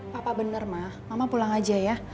papa bener mah mama pulang aja ya